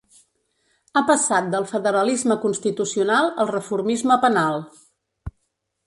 Ha passat del federalisme constitucional al reformisme penal.